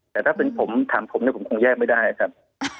แต่ถ้าเป็นผมถามผมเนี่ยผมคงแยกไม่ได้ครับ